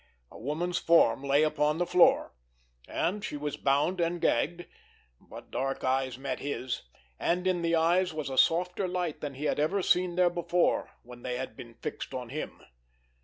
A woman's form lay upon the floor, and she was bound and gagged; but dark eyes met his, and in the eyes was a softer light than he had ever seen there before when they had been fixed on him.